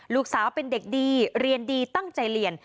ลูกสาวเป็นเด็กดีเรียนดีตั้งใจเรียน